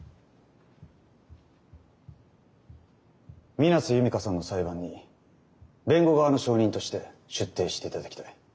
水無瀬弓花さんの裁判に弁護側の証人として出廷していただきたい。